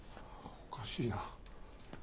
おかしいな。